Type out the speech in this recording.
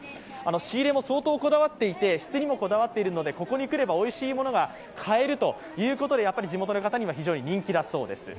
仕入れも相当こだわっていて質にもこだわっているのでここに来ればおいしいものが買えるということで地元の方には非常に人気だそうです。